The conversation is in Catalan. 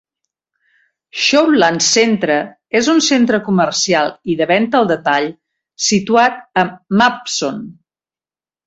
Southlands Centre és un centre comercial i de venta al detall situat a Mawson.